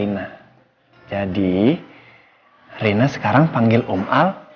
ini langkah terakhir yang harus gue ambil